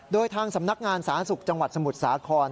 โดยทางสำนักงานสาธารณสุขจังหวัดสมุทรสาคร